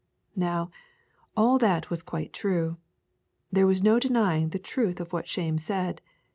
Now, all that was quite true. There was no denying the truth of what Shame said.